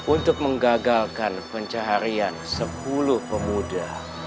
untuk menggagalkan pencaharian sepuluh pemuda